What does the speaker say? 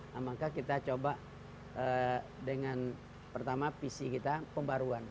nah maka kita coba dengan pertama visi kita pembaruan